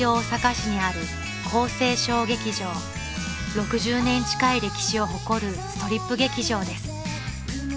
［６０年近い歴史を誇るストリップ劇場です］